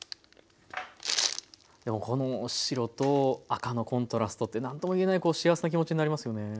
この白と赤のコントラストって何とも言えない幸せな気持ちになりますよね。